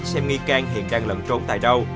xem nghi can hiện đang lận trốn tại đâu